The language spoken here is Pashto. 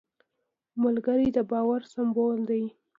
ملګری د باور سمبول دی